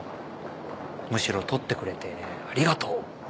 むしろ撮ってくれてありがとう。